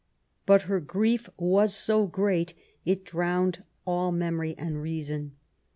But her grief was so great it drowned all memory and reason.